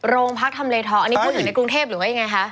โรงพักทำเลทองอันนี้พูดถึงในกรุงเทพหรือว่ายังไงคะ